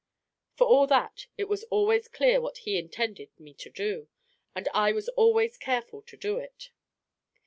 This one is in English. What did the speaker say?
For all that, it was always clear what he intended me to do, and I was always careful to do it.